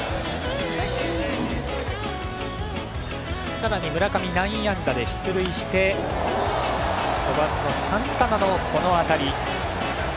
さらに村上、内野安打で出塁して５番のサンタナのこの当たり。